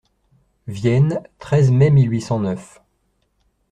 Vienne, treize mai mille huit cent neuf.